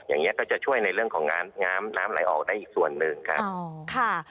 อย่างนี้ก็จะช่วยในเรื่องของน้ำน้ำไหลออกได้อีกส่วนหนึ่งครับ